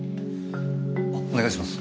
お願いします。